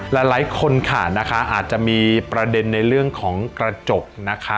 หลายคนค่ะนะคะอาจจะมีประเด็นในเรื่องของกระจกนะคะ